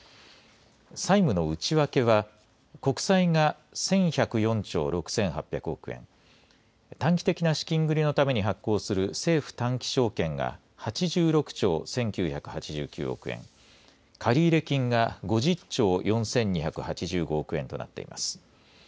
債務の内訳は、国債が１１０４兆６８００億円、短期的な資金繰りのために発行する政府短期証券が８６兆１９８９億円、借入金が５０兆４２８５億円となっています。